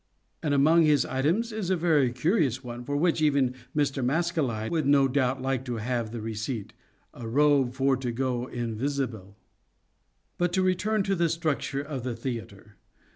And among his items is a very curious one, for which even Mr. Maskelyne would no doubt like to have the receipt, " a robe for to go invisibell." 14 SHAKESPEAREAN THEATRES But to return to the structure of the theatre.